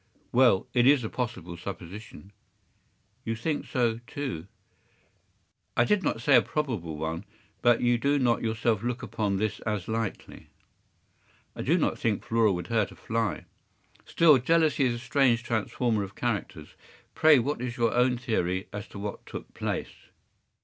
” “Well, it is a possible supposition.” “You think so, too?” “I did not say a probable one. But you do not yourself look upon this as likely?” “I do not think Flora would hurt a fly.” “Still, jealousy is a strange transformer of characters. Pray what is your own theory as to what took place?